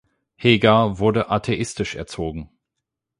Heger wurde atheistisch erzogen.